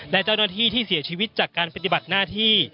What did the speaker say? และเจ้าหน้าที่ที่เสียชีวิตจากการปฏิบัติหน้าที่